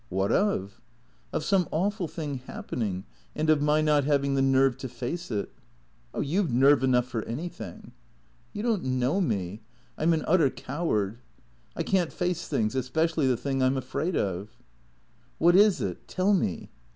"What of?" " Of some awful thing happening and of my not having the nerve to face it." " You 've nerve enough for anything." " You don't know me. I 'm an utter coward. I can't face things. Especially the thing I 'm afraid of." " Wliat is it? Tell me."